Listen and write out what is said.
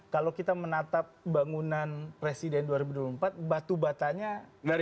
kalau kita menatap bangunan presiden dua ribu dua puluh empat batu batanya dari